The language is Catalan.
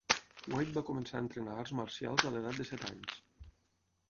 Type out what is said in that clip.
White va començar a entrenar arts marcials a l'edat de set anys.